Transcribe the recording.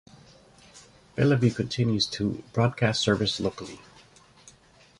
Bellevue continues to broadcast services locally.